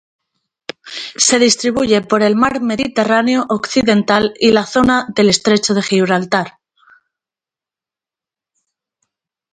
Se distribuye por el mar Mediterráneo occidental y la zona del estrecho de Gibraltar.